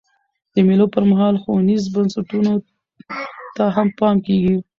د مېلو پر مهال ښوونیزو بنسټونو ته هم پام کېږي.